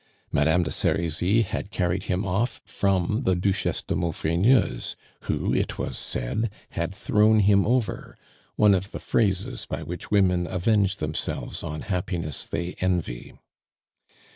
Madame de Serizy had carried him off from the Duchesse de Maufrigneuse, who, it was said, had "thrown him over," one of the phrases by which women avenge themselves on happiness they envy.